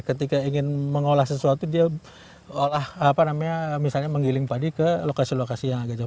ketika ingin mengolah sesuatu dia misalnya menggiling padi ke lokasi lokasi yang agak jauh